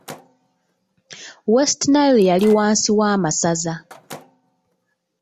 West Nile yali wansi w'amasaza.